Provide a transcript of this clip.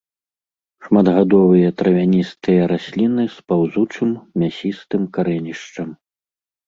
Шматгадовыя травяністыя расліны з паўзучым, мясістым карэнішчам.